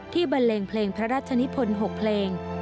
บันเลงเพลงพระราชนิพล๖เพลง